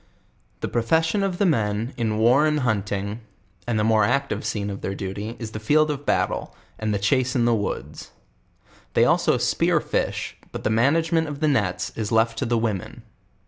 The profession of the men in war and hunting, and the more active scene of their duty is the field of battle, and the chase in the woods. They also spear fish, but the manage ment of the nets is left to the women.